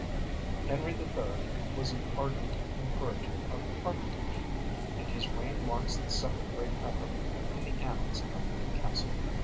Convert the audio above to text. Henry the Third was an ardent encourager of architecture, and his reign marks the second great epoch in the annals of the castle.